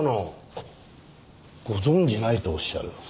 あっご存じないとおっしゃる？